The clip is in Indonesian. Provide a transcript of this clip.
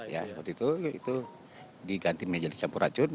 waktu itu diganti menjadi sampuracun